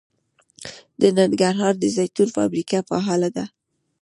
د ننګرهار د زیتون فابریکه فعاله ده.